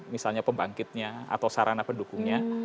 misalnya pembangkitnya atau sarana pendukungnya